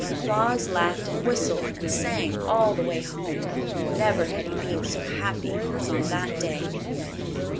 Claus laughed and whistled and sang all the way home. Never had he been so happy as on that day.